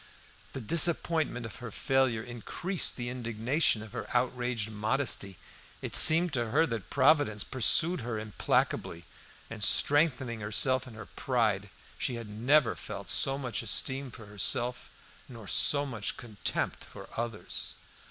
The disappointment of her failure increased the indignation of her outraged modesty; it seemed to her that Providence pursued her implacably, and, strengthening herself in her pride, she had never felt so much esteem for herself nor so much contempt for others.